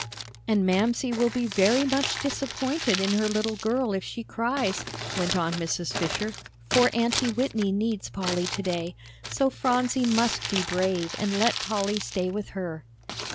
"And Mamsie will be very much disappointed in her little girl if she cries," went on Mrs. Fisher, "for Aunty Whitney needs Polly to day. So Phronsie must be brave and let Polly stay with her."